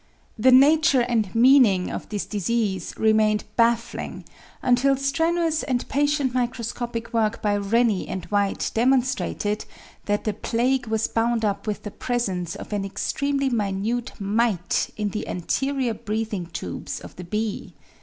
The nature and meaning of this disease remained baffling until strenuous and patient micro scopic work by Rennie and White demonstrated that the plague was bound up with the presence of an extremely minute mite in the anterior breathing tubes of the bee.